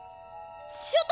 ちょっと！